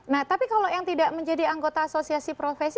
nah tapi kalau yang tidak menjadi anggota asosiasi profesi